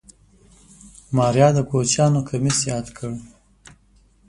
ماريا د کوچيانو کميس ياد کړ.